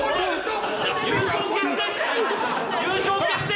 優勝決定戦！？